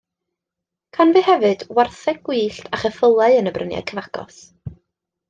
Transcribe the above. Canfu hefyd wartheg gwyllt a cheffylau yn y bryniau cyfagos.